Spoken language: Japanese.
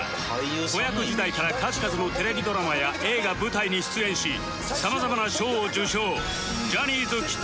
子役時代から数々のテレビドラマや映画舞台に出演しさまざまな賞を受賞